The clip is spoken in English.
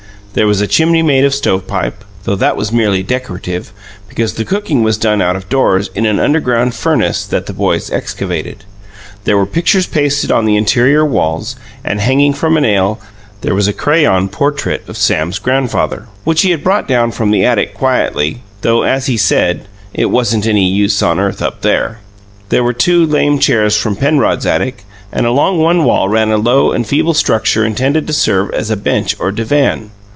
There was a chimney made of stovepipe, though that was merely decorative, because the cooking was done out of doors in an underground "furnace" that the boys excavated. There were pictures pasted on the interior walls, and, hanging from a nail, there was a crayon portrait of Sam's grandfather, which he had brought down from the attic quietly, though, as he said, it "wasn't any use on earth up there." There were two lame chairs from Penrod's attic and along one wall ran a low and feeble structure intended to serve as a bench or divan.